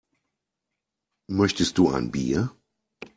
Möchtest du ein Bier?